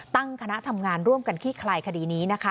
ตั้งคณะทำงานร่วมกันขี้คลายคดีนี้นะคะ